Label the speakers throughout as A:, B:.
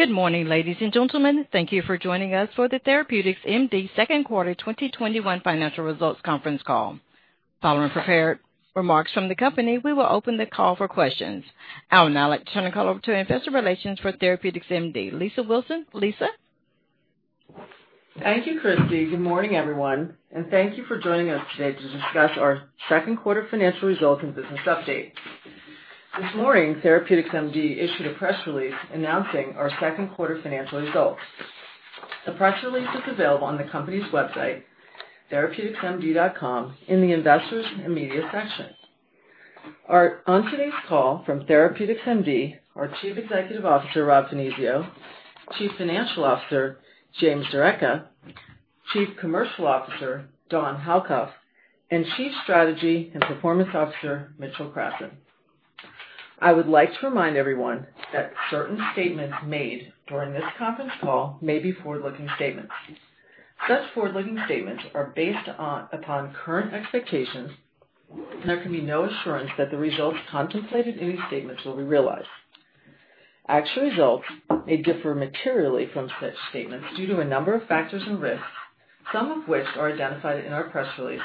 A: Good morning, ladies and gentlemen. Thank you for joining us for the TherapeuticsMD second quarter 2021 financial results conference call. Following prepared remarks from the company, we will open the call for questions. I would now like to turn the call over to investor relations for TherapeuticsMD, Lisa Wilson. Lisa?
B: Thank you, Christy. Good morning, everyone, and thank you for joining us today to discuss our second quarter financial results and business update. This morning, TherapeuticsMD issued a press release announcing our second quarter financial results. The press release is available on the company's website, therapeuticsmd.com, in the Investors and Media section. On today's call from TherapeuticsMD, our Chief Executive Officer, Rob Finizio, Chief Financial Officer, James D'Arecca, Chief Commercial Officer, Dawn Halkuff, and Chief Strategy and Performance Officer, Mitchell Krassan. I would like to remind everyone that certain statements made during this conference call may be forward-looking statements. Such forward-looking statements are based upon current expectations, and there can be no assurance that the results contemplated in these statements will be realized. Actual results may differ materially from such statements due to a number of factors and risks, some of which are identified in our press release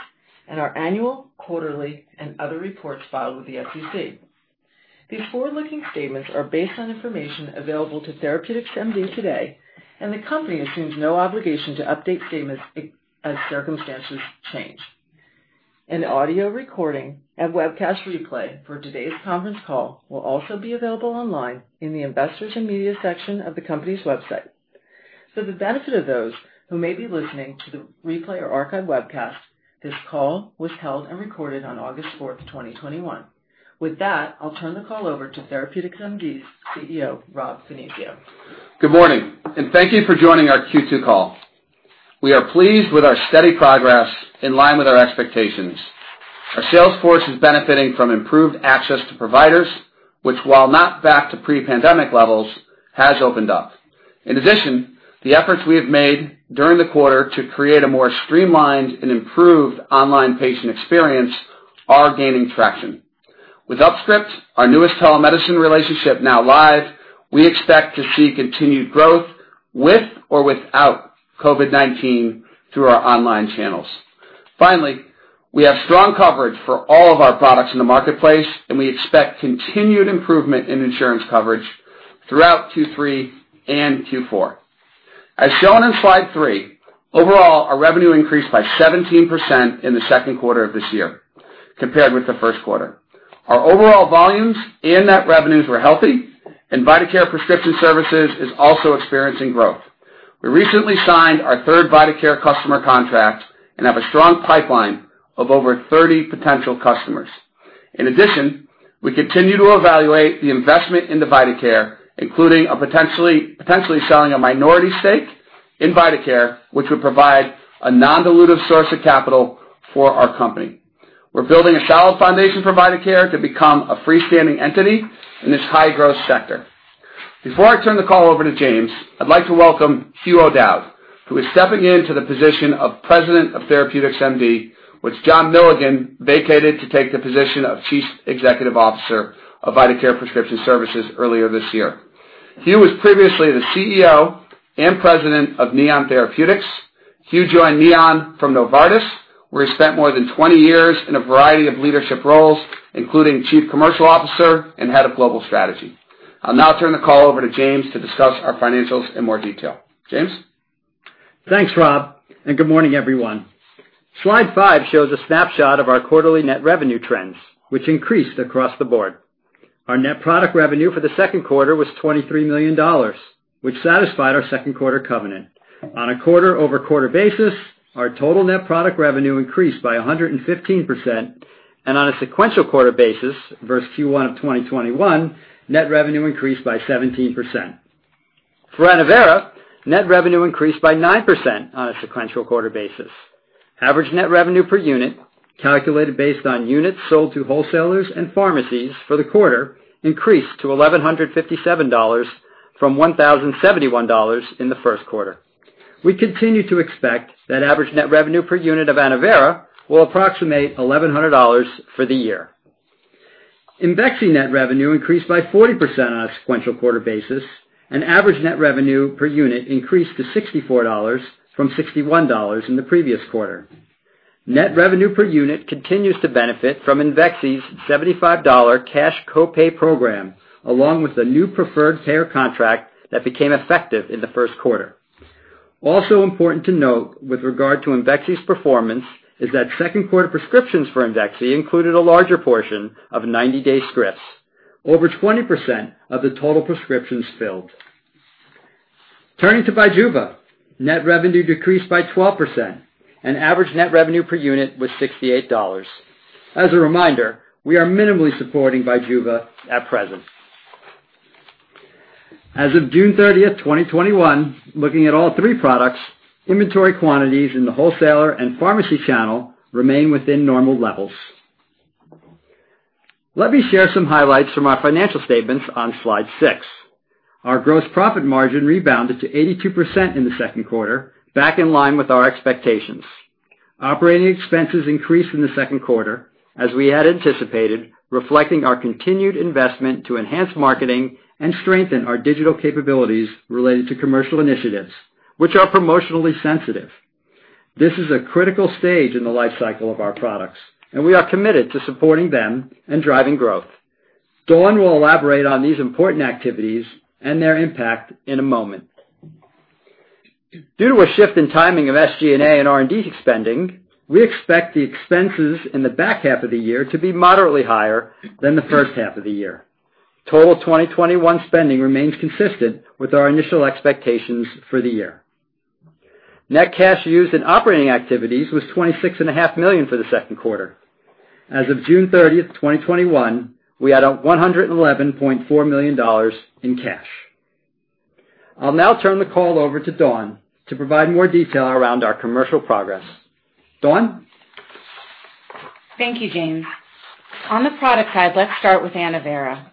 B: and our annual, quarterly, and other reports filed with the SEC. These forward-looking statements are based on information available to TherapeuticsMD today, and the company assumes no obligation to update statements as circumstances change. An audio recording and webcast replay for today's conference call will also be available online in the Investors and Media section of the company's website. For the benefit of those who may be listening to the replay or archived webcast, this call was held and recorded on August 4th, 2021. With that, I'll turn the call over to TherapeuticsMD's CEO, Rob Finizio.
C: Good morning. Thank you for joining our Q2 call. We are pleased with our steady progress in line with our expectations. Our sales force is benefiting from improved access to providers, which while not back to pre-pandemic levels, has opened up. The efforts we have made during the quarter to create a more streamlined and improved online patient experience are gaining traction. With UpScript, our newest telemedicine relationship now live, we expect to see continued growth with or without COVID-19 through our online channels. We have strong coverage for all of our products in the marketplace, and we expect continued improvement in insurance coverage throughout Q3 and Q4. As shown on slide three, overall, our revenue increased by 17% in the second quarter of this year compared with the first quarter. Our overall volumes and net revenues were healthy. vitaCare Prescription Services is also experiencing growth. We recently signed our third vitaCare customer contract and have a strong pipeline of over 30 potential customers. In addition, we continue to evaluate the investment into vitaCare, including potentially selling a minority stake in vitaCare, which would provide a non-dilutive source of capital for our company. We're building a solid foundation for vitaCare to become a freestanding entity in this high-growth sector. Before I turn the call over to James, I'd like to welcome Hugh O'Dowd, who is stepping into the position of President of TherapeuticsMD, which John Milligan vacated to take the position of Chief Executive Officer of vitaCare Prescription Services earlier this year. Hugh was previously the CEO and President of Neon Therapeutics. Hugh joined Neon from Novartis, where he spent more than 20 years in a variety of leadership roles, including Chief Commercial Officer and Head of Global Strategy. I'll now turn the call over to James to discuss our financials in more detail. James?
D: Thanks, Rob. Good morning, everyone. Slide five shows a snapshot of our quarterly net revenue trends, which increased across the board. Our net product revenue for the second quarter was $23 million, which satisfied our second quarter covenant. On a quarter-over-quarter basis, our total net product revenue increased by 115%, and on a sequential quarter basis versus Q1 of 2021, net revenue increased by 17%. For ANNOVERA, net revenue increased by 9% on a sequential quarter basis. Average net revenue per unit, calculated based on units sold to wholesalers and pharmacies for the quarter, increased to $1,157 from $1,071 in the first quarter. We continue to expect that average net revenue per unit of ANNOVERA will approximate $1,100 for the year. IMVEXXY net revenue increased by 40% on a sequential quarter basis, and average net revenue per unit increased to $64 from $61 in the previous quarter. Net revenue per unit continues to benefit from IMVEXXY's $75 cash co-pay program, along with the new preferred payor contract that became effective in the first quarter. Also important to note with regard to IMVEXXY's performance is that second-quarter prescriptions for IMVEXXY included a larger portion of 90-day scripts. Over 20% of the total prescriptions filled. Turning to BIJUVA, net revenue decreased by 12%, and average net revenue per unit was $68. As a reminder, we are minimally supporting BIJUVA at present. As of June 30th, 2021, looking at all three products, inventory quantities in the wholesaler and pharmacy channel remain within normal levels. Let me share some highlights from our financial statements on slide six. Our gross profit margin rebounded to 82% in the second quarter, back in line with our expectations. Operating expenses increased in the second quarter, as we had anticipated, reflecting our continued investment to enhance marketing and strengthen our digital capabilities related to commercial initiatives, which are promotionally sensitive. This is a critical stage in the life cycle of our products, and we are committed to supporting them and driving growth. Dawn will elaborate on these important activities and their impact in a moment. Due to a shift in timing of SG&A and R&D spending, we expect the expenses in the back half of the year to be moderately higher than the first half of the year. Total 2021 spending remains consistent with our initial expectations for the year. Net cash used in operating activities was $26.5 million for the second quarter. As of June 30th, 2021, we had $111.4 million in cash. I'll now turn the call over to Dawn to provide more detail around our commercial progress. Dawn?
E: Thank you, James. On the product side, let's start with ANNOVERA.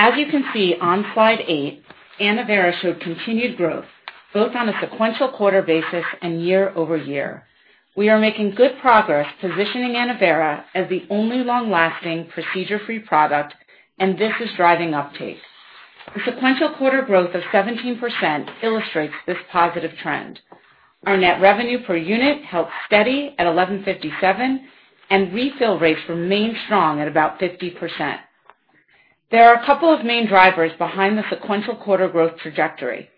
E: As you can see on slide eight, ANNOVERA showed continued growth both on a sequential quarter basis and year-over-year. We are making good progress positioning ANNOVERA as the only long-lasting procedure-free product. This is driving uptake. The sequential quarter growth of 17% illustrates this positive trend. Our net revenue per unit held steady at $1,157. Refill rates remained strong at about 50%. There are a couple of main drivers behind the sequential quarter growth trajectory.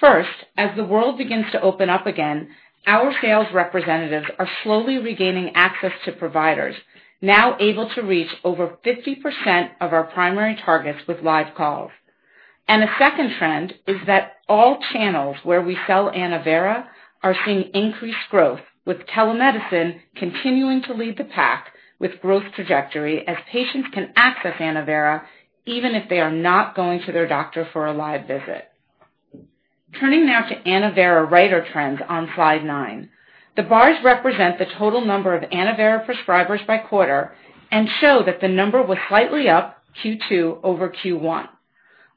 E: First, as the world begins to open up again, our sales representatives are slowly regaining access to providers now able to reach over 50% of our primary targets with live calls. A second trend is that all channels where we sell ANNOVERA are seeing increased growth, with telemedicine continuing to lead the pack with growth trajectory as patients can access ANNOVERA even if they are not going to their doctor for a live visit. Turning now to ANNOVERA writer trends on slide nine. The bars represent the total number of ANNOVERA prescribers by quarter and show that the number was slightly up Q2 over Q1.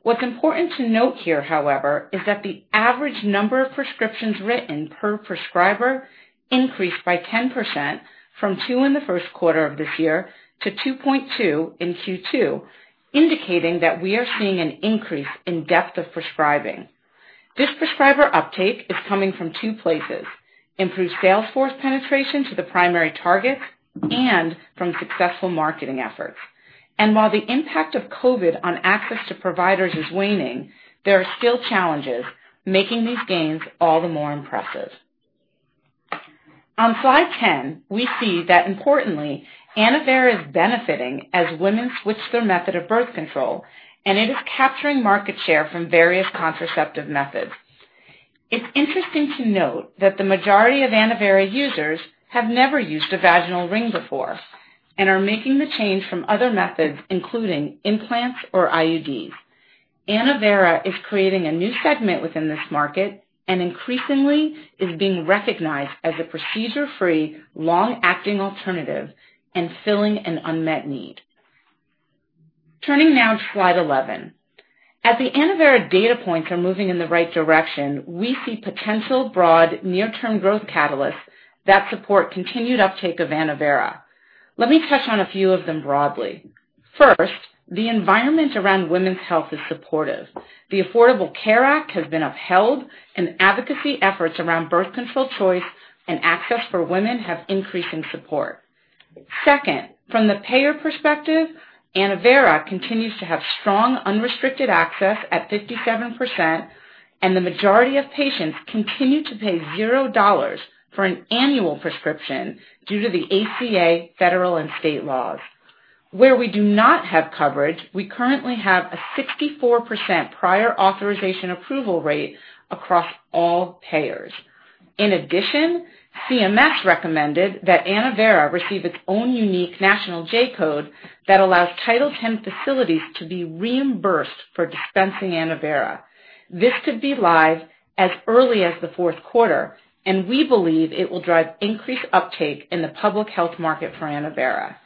E: Important to note here, however, is that the average number of prescriptions written per prescriber increased by 10% from two in the first quarter of this year to 2.2 in Q2, indicating that we are seeing an increase in depth of prescribing. This prescriber uptake is coming from two places: improved sales force penetration to the primary targets and from successful marketing efforts. While the impact of COVID on access to providers is waning, there are still challenges making these gains all the more impressive. On slide 10, we see that importantly, ANNOVERA is benefiting as women switch their method of birth control, and it is capturing market share from various contraceptive methods. It's interesting to note that the majority of ANNOVERA users have never used a vaginal ring before and are making the change from other methods, including implants or IUDs. ANNOVERA is creating a new segment within this market and increasingly is being recognized as a procedure-free, long-acting alternative and filling an unmet need. Turning now to slide 11. As the ANNOVERA data points are moving in the right direction, we see potential broad near-term growth catalysts that support continued uptake of ANNOVERA. Let me touch on a few of them broadly. First, the environment around women's health is supportive. The Affordable Care Act has been upheld, and advocacy efforts around birth control choice and access for women have increased in support. Second, from the payor perspective, ANNOVERA continues to have strong, unrestricted access at 57%, and the majority of patients continue to pay $0 for an annual prescription due to the ACA federal and state laws. Where we do not have coverage, we currently have a 64% prior authorization approval rate across all payors. In addition, CMS recommended that ANNOVERA receive its own unique national J-code that allows Title X facilities to be reimbursed for dispensing ANNOVERA. This could be live as early as the fourth quarter, and we believe it will drive increased uptake in the public health market for ANNOVERA.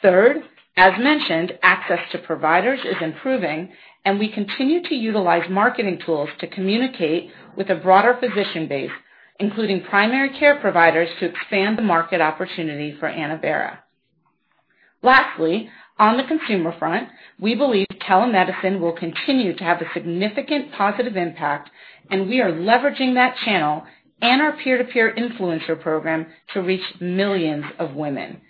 E: Third, as mentioned, access to providers is improving, and we continue to utilize marketing tools to communicate with a broader physician base, including primary care providers, to expand the market opportunity for ANNOVERA. Lastly, on the consumer front, we believe telemedicine will continue to have a significant positive impact, and we are leveraging that channel and our peer-to-peer influencer program to reach millions of women.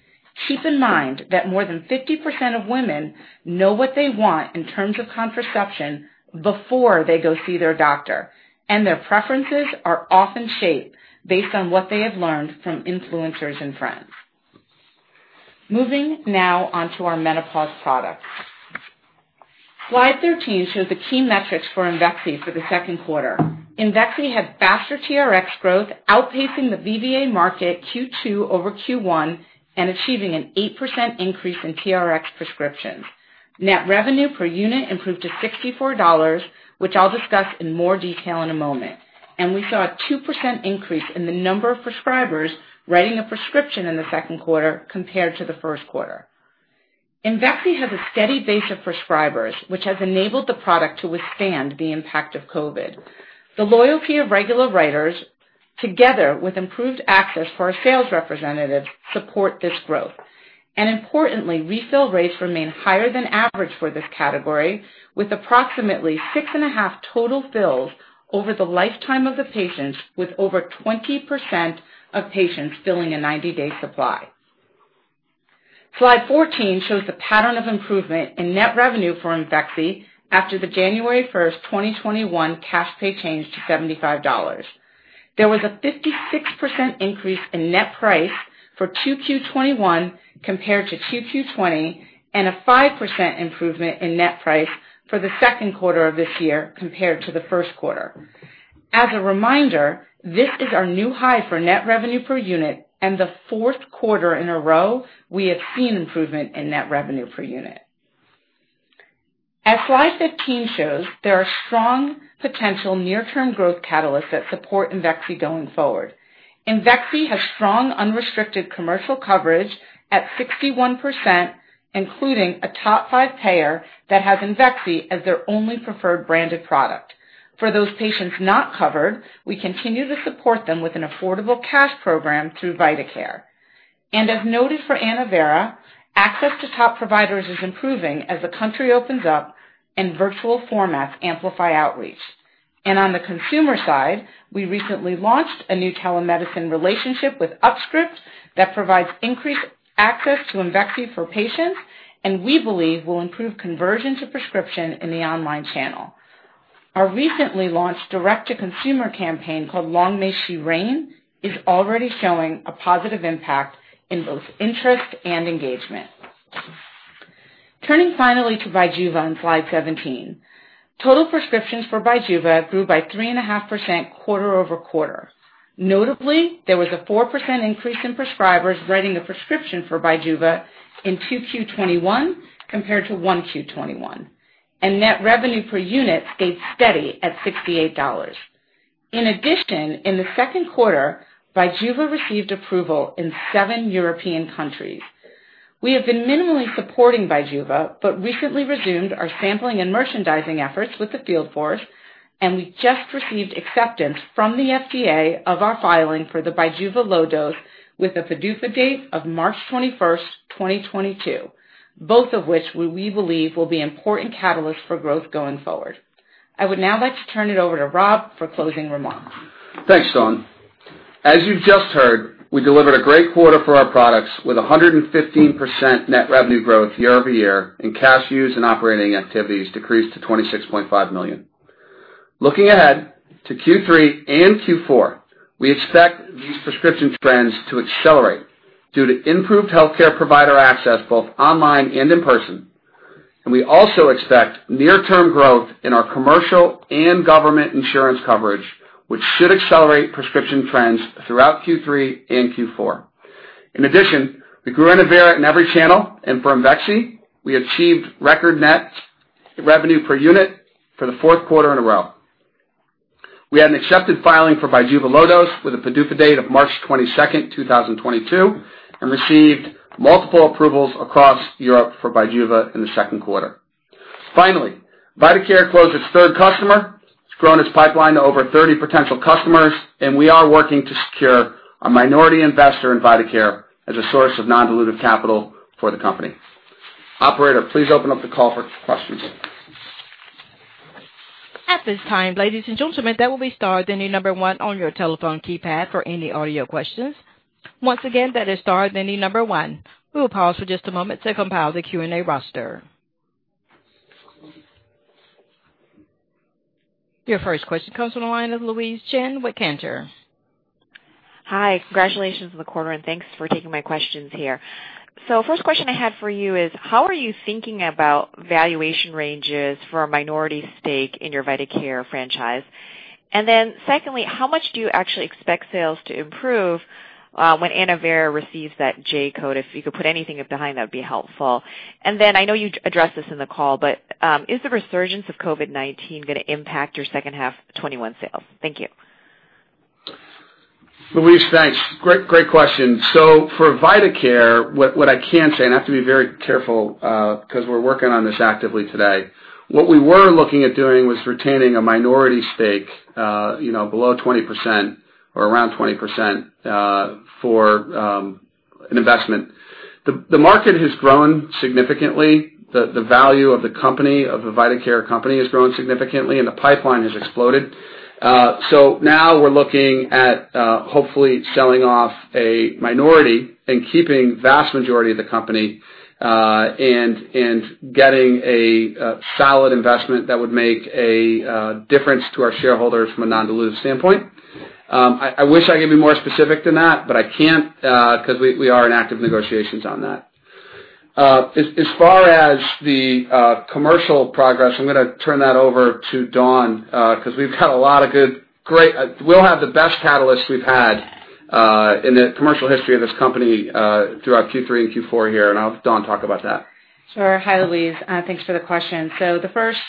E: Keep in mind that more than 50% of women know what they want in terms of contraception before they go see their doctor, and their preferences are often shaped based on what they have learned from influencers and friends. Moving now on to our menopause products. Slide 13 shows the key metrics for IMVEXXY for the second quarter. IMVEXXY had faster TRx growth, outpacing the VVA market Q2 over Q1 and achieving an 8% increase in TRx prescriptions. Net revenue per unit improved to $64, which I'll discuss in more detail in a moment. We saw a 2% increase in the number of prescribers writing a prescription in the second quarter compared to the first quarter. IMVEXXY has a steady base of prescribers, which has enabled the product to withstand the impact of COVID. The loyalty of regular writers, together with improved access for our sales representatives, support this growth. Importantly, refill rates remain higher than average for this category, with approximately 6.5 total fills over the lifetime of the patients, with over 20% of patients filling a 90-day supply. Slide 14 shows the pattern of improvement in net revenue for IMVEXXY after the January 1st, 2021, cash pay change to $75. There was a 56% increase in net price for 2Q21 compared to 2Q20, and a 5% improvement in net price for the second quarter of this year compared to the first quarter. As a reminder, this is our new high for net revenue per unit and the fourth quarter in a row we have seen improvement in net revenue per unit. As slide 15 shows, there are strong potential near-term growth catalysts that support IMVEXXY going forward. IMVEXXY has strong unrestricted commercial coverage at 61%, including a top five payor that has IMVEXXY as their only preferred branded product. For those patients not covered, we continue to support them with an affordable cash program through vitaCare. As noted for ANNOVERA, access to top providers is improving as the country opens up and virtual formats amplify outreach. On the consumer side, we recently launched a new telemedicine relationship with UpScript that provides increased access to IMVEXXY for patients and we believe will improve conversion to prescription in the online channel. Our recently launched direct-to-consumer campaign, called Long May She Reign, is already showing a positive impact in both interest and engagement. Turning finally to BIJUVA on slide 17. Total prescriptions for BIJUVA grew by 3.5% quarter-over-quarter. Notably, there was a 4% increase in prescribers writing a prescription for BIJUVA in 2Q21 compared to 1Q21, and net revenue per unit stayed steady at $68. In addition, in the second quarter, BIJUVA received approval in seven European countries. We have been minimally supporting BIJUVA, but recently resumed our sampling and merchandising efforts with the field force, and we just received acceptance from the FDA of our filing for the BIJUVA low-dose with a PDUFA date of March 21st, 2022, both of which we believe will be important catalysts for growth going forward. I would now like to turn it over to Rob for closing remarks.
C: Thanks, Dawn. As you just heard, we delivered a great quarter for our products, with 115% net revenue growth year-over-year and cash used in operating activities decreased to $26.5 million. Looking ahead to Q3 and Q4, we expect these prescription trends to accelerate due to improved healthcare provider access, both online and in person. We also expect near-term growth in our commercial and government insurance coverage, which should accelerate prescription trends throughout Q3 and Q4. In addition, we grew ANNOVERA in every channel. For IMVEXXY, we achieved record net revenue per unit for the fourth quarter in a row. We had an accepted filing for BIJUVA low-dose with a PDUFA date of March 22nd, 2022, and received multiple approvals across Europe for BIJUVA in the second quarter. Finally, vitaCare closed its third customer. It's grown its pipeline to over 30 potential customers. We are working to secure a minority investor in vitaCare as a source of non-dilutive capital for the company. Operator, please open up the call for questions.
A: At this time, ladies and gentlemen, that will be star, then the number one on your telephone keypad for any audio questions. Once again, that is star, then the number one. We will pause for just a moment to compile the Q&A roster. Your first question comes from the line of Louise Chen with Cantor.
F: Hi. Congratulations on the quarter. Thanks for taking my questions here. First question I had for you is, how are you thinking about valuation ranges for a minority stake in your vitaCare franchise? Secondly, how much do you actually expect sales to improve when ANNOVERA receives that J-code? If you could put anything behind that'd be helpful. I know you addressed this in the call, is the resurgence of COVID-19 going to impact your second half 2021 sales? Thank you.
C: Louise, thanks. Great question. For vitaCare, what I can say, and I have to be very careful, because we're working on this actively today. What we were looking at doing was retaining a minority stake, you know, below 20% or around 20%, for an investment. The market has grown significantly. The value of the company, of the vitaCare company, has grown significantly, and the pipeline has exploded. Now we're looking at, hopefully selling off a minority and keeping vast majority of the company, and getting a solid investment that would make a difference to our shareholders from a non-dilutive standpoint. I wish I could be more specific than that, but I can't, because we are in active negotiations on that. As far as the commercial progress, I'm going to turn that over to Dawn, because We'll have the best catalysts we've had, in the commercial history of this company, throughout Q3 and Q4 here, and I'll have Dawn talk about that.
E: Sure. Hi, Louise. Thanks for the question. The first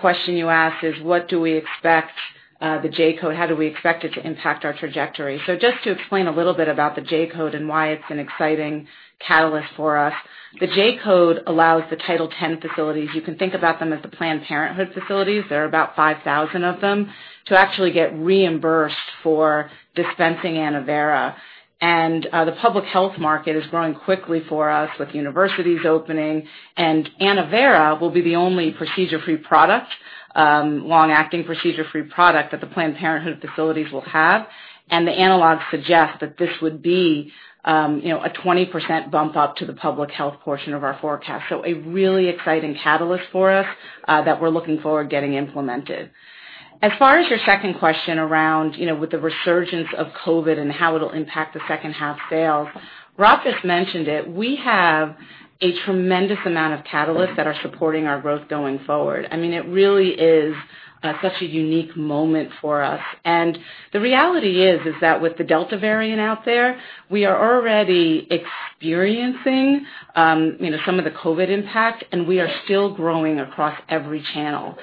E: question you asked is: what do we expect the J-code, how do we expect it to impact our trajectory? Just to explain a little bit about the J-code and why it's an exciting catalyst for us, the J-code allows the Title X facilities, you can think about them as the Planned Parenthood facilities, there are about 5,000 of them, to actually get reimbursed for dispensing ANNOVERA. The public health market is growing quickly for us with universities opening, and ANNOVERA will be the only procedure-free product, long-acting procedure-free product, that the Planned Parenthood facilities will have. The analogs suggest that this would be a 20% bump up to the public health portion of our forecast. A really exciting catalyst for us that we're looking forward getting implemented. As far as your second question around, with the resurgence of COVID and how it'll impact the second half sales, Rob just mentioned it. We have a tremendous amount of catalysts that are supporting our growth going forward. I mean, it really is such a unique moment for us. The reality is that with the Delta variant out there, we are already experiencing some of the COVID impact, and we are still growing across every channel.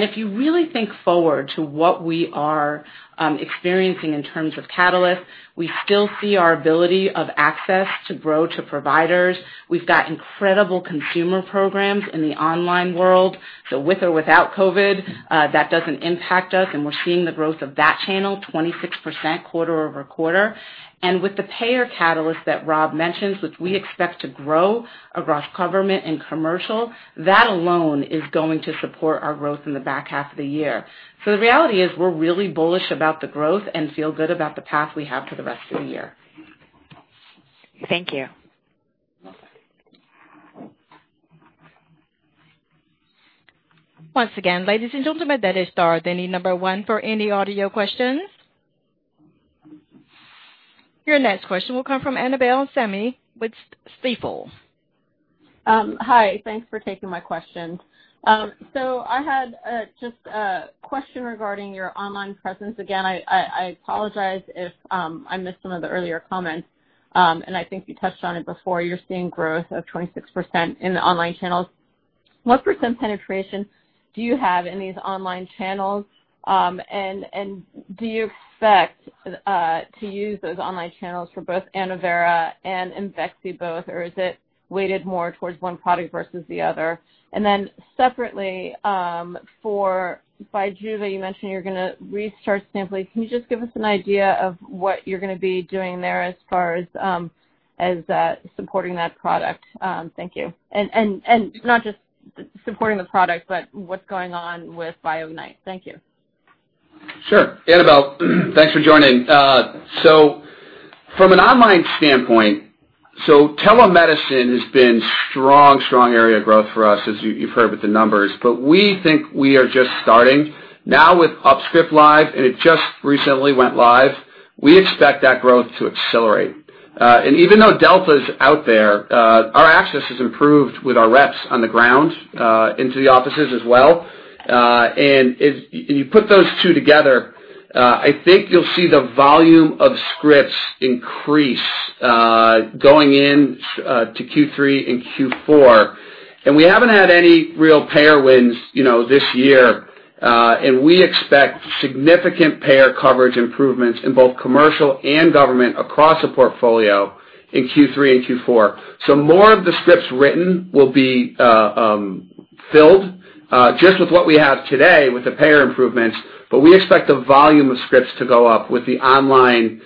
E: If you really think forward to what we are experiencing in terms of catalysts, we still see our ability of access to grow to providers. We've got incredible consumer programs in the online world. With or without COVID, that doesn't impact us, and we're seeing the growth of that channel 26% quarter-over-quarter. With the payor catalyst that Rob mentioned, which we expect to grow across government and commercial, that alone is going to support our growth in the back half of the year. The reality is we're really bullish about the growth and feel good about the path we have for the rest of the year.
F: Thank you.
E: You're welcome.
A: Once again, ladies and gentlemen, that is star three, number one for any audio questions. Your next question will come from Annabel Samimy with Stifel.
G: Hi. Thanks for taking my questions. I had just a question regarding your online presence. Again, I apologize if I missed some of the earlier comments. I think you touched on it before. You're seeing growth of 26% in the online channels. What percent penetration do you have in these online channels? Do you expect to use those online channels for both ANNOVERA and IMVEXXY both, or is it weighted more towards one product versus the other? Separately, for BIJUVA, you mentioned you're going to restart sampling. Can you just give us an idea of what you're going to be doing there as far as supporting that product? Thank you. Not just supporting the product, but what's going on with BioIgnite. Thank you.
C: Sure. Annabel, thanks for joining. From an online standpoint, telemedicine has been strong area of growth for us, as you've heard with the numbers. We think we are just starting now with UpScript Live, and it just recently went live. We expect that growth to accelerate. Even though Delta's out there, our access has improved with our reps on the ground into the offices as well. You put those two together, I think you'll see the volume of scripts increase going into Q3 and Q4. We haven't had any real payor wins this year. We expect significant payor coverage improvements in both commercial and government across the portfolio in Q3 and Q4. More of the scripts written will be filled, just with what we have today with the payor improvements, but we expect the volume of scripts to go up with the online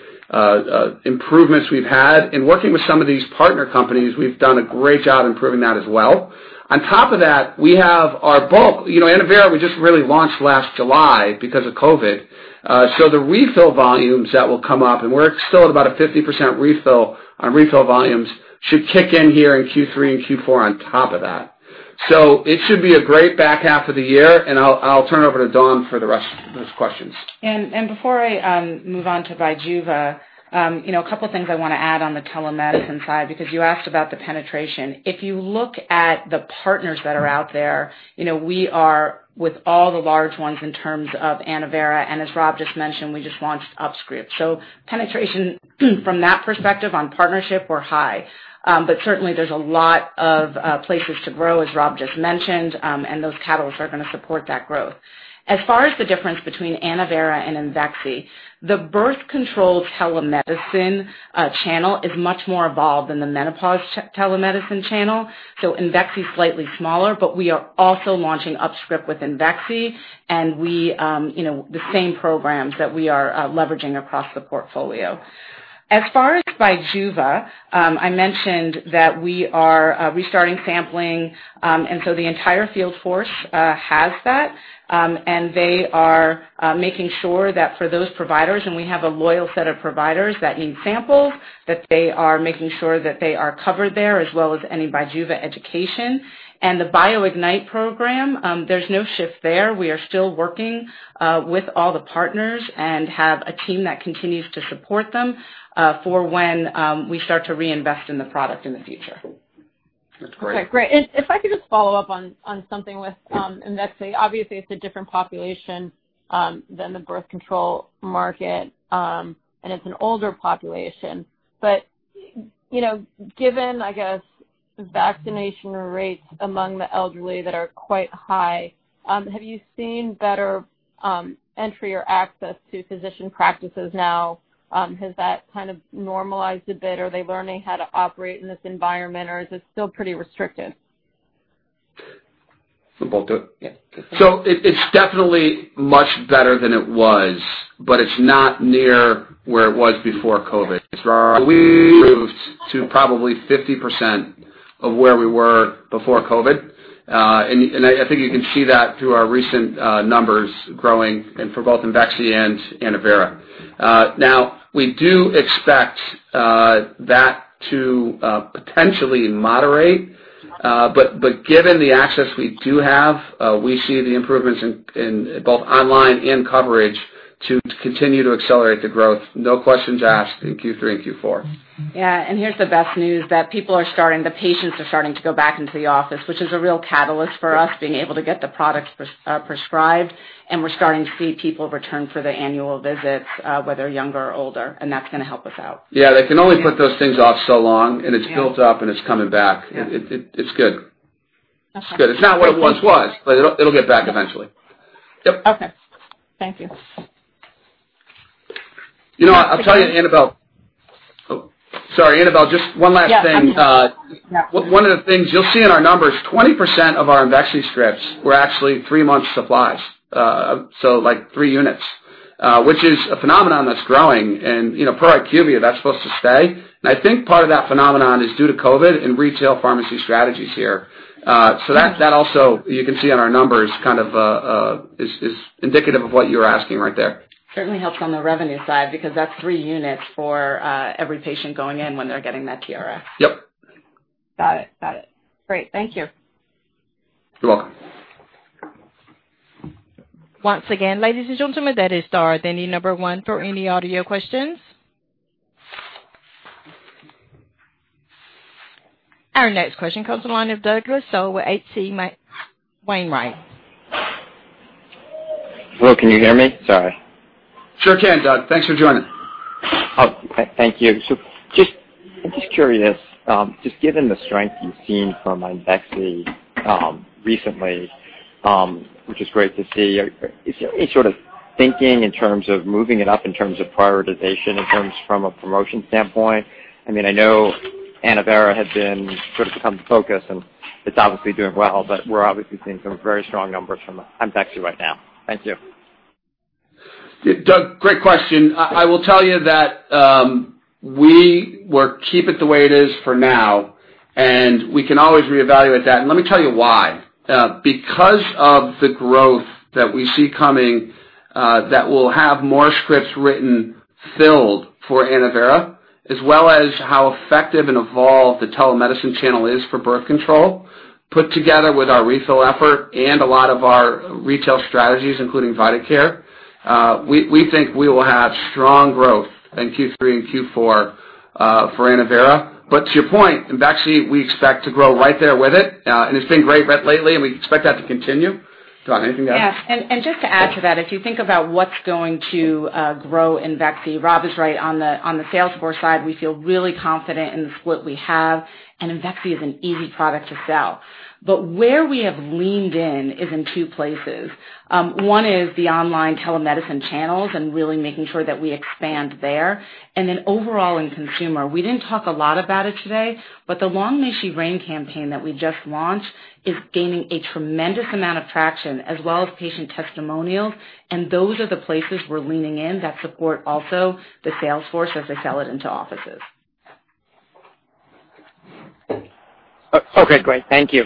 C: improvements we've had. In working with some of these partner companies, we've done a great job improving that as well. On top of that, we have our bulk. ANNOVERA we just really launched last July because of COVID. The refill volumes that will come up, and we're still at about a 50% refill on refill volumes, should kick in here in Q3 and Q4 on top of that. It should be a great back half of the year, and I'll turn over to Dawn for the rest of those questions.
E: Before I move on to BIJUVA, a couple of things I want to add on the telemedicine side, because you asked about the penetration. If you look at the partners that are out there, we are with all the large ones in terms of ANNOVERA, and as Rob just mentioned, we just launched UpScript. Penetration from that perspective on partnership, we're high. Certainly, there's a lot of places to grow, as Rob just mentioned, and those catalysts are going to support that growth. As far as the difference between ANNOVERA and IMVEXXY, the birth control telemedicine channel is much more evolved than the menopause telemedicine channel. IMVEXXY is slightly smaller, but we are also launching UpScript with IMVEXXY and the same programs that we are leveraging across the portfolio. As far as BIJUVA, I mentioned that we are restarting sampling, the entire field force has that. They are making sure that for those providers, and we have a loyal set of providers that need samples, that they are making sure that they are covered there, as well as any BIJUVA education. The BioIgnite program, there's no shift there. We are still working with all the partners and have a team that continues to support them for when we start to reinvest in the product in the future.
C: That's great.
G: Okay, great. If I could just follow up on something with IMVEXXY. Obviously, it's a different population than the birth control market. It's an older population. Given, I guess, vaccination rates among the elderly that are quite high, have you seen better entry or access to physician practices now? Has that normalized a bit? Are they learning how to operate in this environment, or is it still pretty restricted?
C: You want to do it? Yeah. It's definitely much better than it was, but it's not near where it was before COVID. We improved to probably 50% of where we were before COVID. I think you can see that through our recent numbers growing and for both IMVEXXY and ANNOVERA. We do expect that to potentially moderate. Given the access we do have, we see the improvements in both online and coverage to continue to accelerate the growth, no questions asked in Q3 and Q4.
E: Yeah. Here's the best news, that people are starting, the patients are starting to go back into the office, which is a real catalyst for us. Being able to get the products prescribed. We're starting to see people return for their annual visits, whether younger or older, and that's going to help us out.
C: Yeah. They can only put those things off so long, and it's built up, and it's coming back.
E: Yeah.
C: It's good.
G: Okay.
C: It's good. It's not what it once was. It'll get back eventually. Yep.
G: Okay. Thank you.
C: You know what? I'll tell you, Annabel. Oh, sorry, Annabel, just one last thing.
G: Yeah.
C: One of the things you'll see in our numbers, 20% of our IMVEXXY scripts were actually three-month supplies. Like three units, which is a phenomenon that's growing and, per IQVIA, that's supposed to stay. I think part of that phenomenon is due to COVID and retail pharmacy strategies here. That also you can see in our numbers is indicative of what you're asking right there.
E: Certainly helps on the revenue side because that's three units for every patient going in when they're getting that TRx.
C: Yep.
G: Got it. Great. Thank you.
C: You're welcome.
A: Once again, ladies and gentlemen, that is star then the number one for any audio questions. Our next question comes the line of Douglas Tsao at H.C. Wainwright.
H: Hello, can you hear me? Sorry.
C: Sure can, Doug. Thanks for joining.
H: Oh, thank you. Just curious, just given the strength you've seen from IMVEXXY recently, which is great to see, is there any sort of thinking in terms of moving it up in terms of prioritization in terms from a promotion standpoint? I know ANNOVERA has become the focus, and it's obviously doing well, but we're obviously seeing some very strong numbers from IMVEXXY right now. Thank you.
C: Doug, great question. I will tell you that we will keep it the way it is for now, and we can always reevaluate that. Let me tell you why. Because of the growth that we see coming that will have more scripts written filled for ANNOVERA, as well as how effective and evolved the telemedicine channel is for birth control, put together with our refill effort and a lot of our retail strategies, including vitaCare, we think we will have strong growth in Q3 and Q4 for ANNOVERA. To your point, IMVEXXY, we expect to grow right there with it. It's been great lately, and we expect that to continue. Dawn, anything to add?
E: Yes. Just to add to that, if you think about what's going to grow IMVEXXY, Rob is right. On the sales force side, we feel really confident in what we have, and IMVEXXY is an easy product to sell. Where we have leaned in is in two places. One is the online telemedicine channels and really making sure that we expand there. Overall in consumer, we didn't talk a lot about it today, but the Long May She Reign campaign that we just launched is gaining a tremendous amount of traction as well as patient testimonials, and those are the places we're leaning in that support also the sales force as they sell it into offices.
H: Okay, great. Thank you.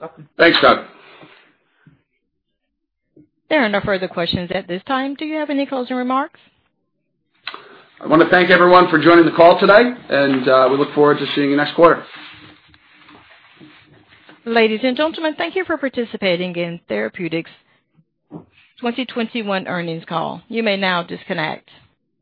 C: Welcome. Thanks, Doug.
A: There are no further questions at this time. Do you have any closing remarks?
C: I want to thank everyone for joining the call today, and we look forward to seeing you next quarter.
A: Ladies and gentlemen, thank you for participating in Therapeutics' 2021 earnings call. You may now disconnect.